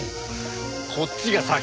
こっちが先！